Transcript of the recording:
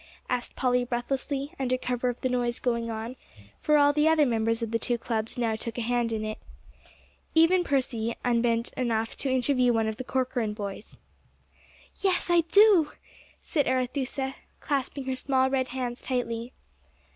asked Polly breathlessly, under cover of the noise going on, for all the other members of the two clubs now took a hand in it. Even Percy unbent enough to interview one of the Corcoran boys. "Yes, I do," said Arethusa, clasping her small red hands tightly.